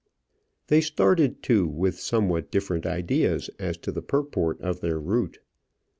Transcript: They started, too, with somewhat different ideas as to the purport of their route.